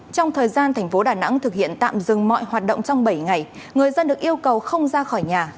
trong thời gian thành phố đà nẵng thực hiện tạm dừng mọi hoạt động trong bảy ngày người dân được yêu cầu không ra khỏi nhà